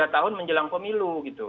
tiga tahun menjelang pemilu gitu